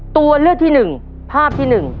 ตัวเลือดที่หนึ่งภาพที่หนึ่ง